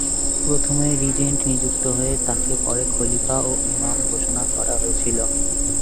প্রথমে রিজেন্ট নিযুক্ত হয়ে তাঁকে পরে খলিফা ও ইমাম ঘোষণা করা হয়েছিল।